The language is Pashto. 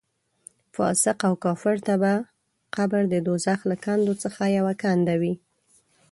فاسق او کافر ته به قبر د دوزخ له کندو څخه یوه کنده وي.